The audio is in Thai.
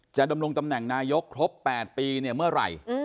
ดำรงตำแหน่งนายกครบ๘ปีเนี่ยเมื่อไหร่